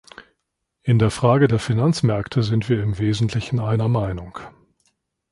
In der Frage der Finanzmärkte sind wir im Wesentlichen einer Meinung.